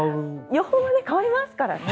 予報は変わりますからね。